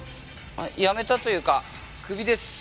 辞めたというかクビです。